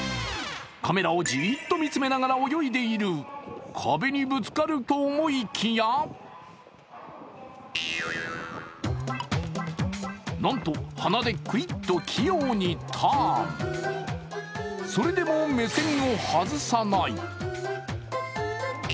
カメラをじっと見つめながら泳いでいる、壁にぶつかると思いきやなんと、鼻でクイッと器用にターンそれでも目線を外さない。